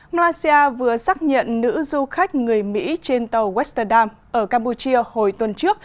malaysia vừa xác nhận nữ du khách người mỹ trên tàu westerdam ở campuchia hồi tuần trước